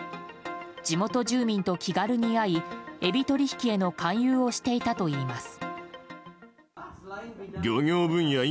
地元住民と気軽に会いエビ取引への勧誘をしていたといいます。